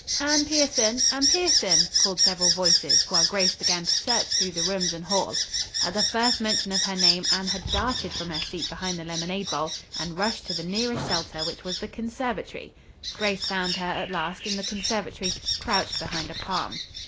"Anne Pierson, Anne Pierson!" called several voices, while Grace began to search through the rooms and hall. At the first mention of her name Anne had darted from her seat behind the lemonade bowl, and rushed to the nearest shelter, which was the conservatory. Grace found her, at last, in the conservatory crouched behind a palm.